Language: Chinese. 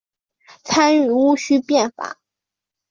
参与戊戌变法。